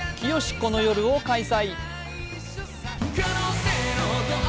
この夜」を開催。